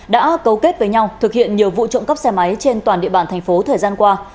đã cấu kết với nhau thực hiện nhiều vụ trộm cắp xe máy trên toàn địa bàn thành phố thời gian qua